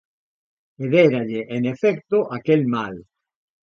E déralle, en efecto, aquel mal.